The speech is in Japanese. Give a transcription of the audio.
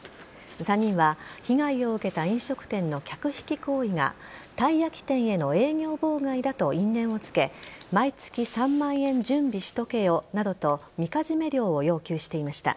３人は、被害を受けた飲食店の客引き行為がたい焼き店への営業妨害だと因縁をつけ毎月３万円準備しておけよなどと、みかじめ料を要求していました。